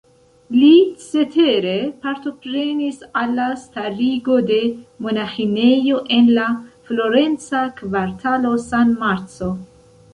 Li cetere partoprenis al la starigo de monaĥinejo en la florenca kvartalo San Marco.